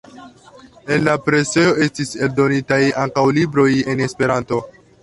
En la presejo estis eldonitaj ankaŭ libroj en Esperanto.